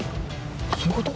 そういうこと？